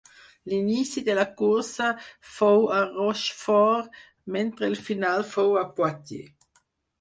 L'inici de la cursa fou a Rochefort, mentre el final fou a Poitiers.